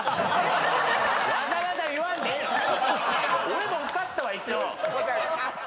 俺も受かったわ一応！